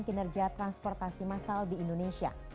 kinerja transportasi massal di indonesia